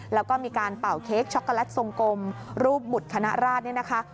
แล้วก็มีการเป่าเค้กช็อกโกแลตทรงกลมรูปหมุดคณะราชเนี่ยนะคะ